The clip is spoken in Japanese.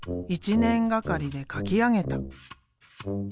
１年がかりで描き上げた。